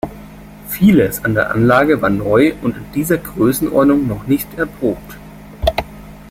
Vieles an der Anlage war neu und in dieser Größenordnung noch nicht erprobt.